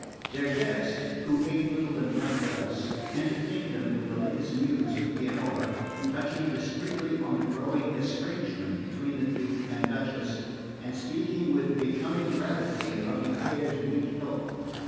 Their guest, who ate little and drank less, entertained them with the latest news of Pianura, touching discreetly on the growing estrangement between the Duke and Duchess, and speaking with becoming gravity of the heir's weak health.